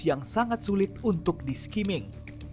yang sangat sulit untuk di skimming